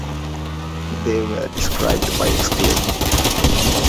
They were described by Exclaim!